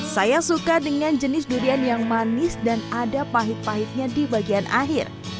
saya suka dengan jenis durian yang manis dan ada pahit pahitnya di bagian akhir